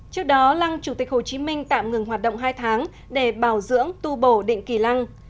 trước đó lăng chủ tịch hồ chí minh tạm ngừng hoạt động hai tháng để bảo dưỡng tu bổ định kỳ lăng